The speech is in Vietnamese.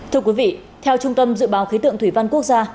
thưa quý vị theo trung tâm dự báo khí tượng thủy văn quốc gia